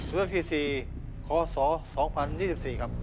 เรื่องที่๔คศ๒๐๒๔ครับ